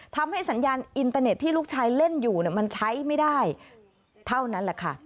ทำให้สัญญาณอินเตอร์เน็ตที่ลูกชายเล่นอยู่มันใช้ไม่ได้เท่านั้นแหละค่ะ